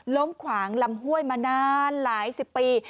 ขวางลำห้วยมานานหลายสิบปี